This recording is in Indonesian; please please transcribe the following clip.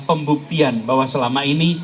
pembuktian bahwa selama ini